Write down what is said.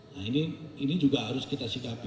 nah ini juga harus kita sikapi